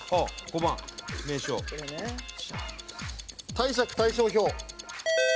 貸借対照表。